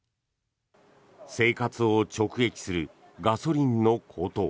生活を直撃するガソリンの高騰。